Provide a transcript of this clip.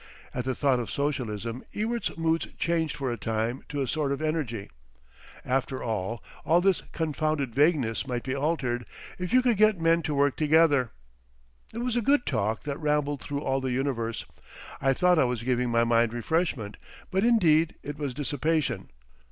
At the thought of socialism Ewart's moods changed for a time to a sort of energy. "After all, all this confounded vagueness might be altered. If you could get men to work together..." It was a good talk that rambled through all the universe. I thought I was giving my mind refreshment, but indeed it was dissipation.